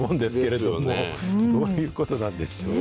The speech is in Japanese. どういうことなんでしょう。